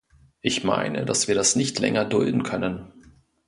Ich meine, dass wir das nicht länger dulden können.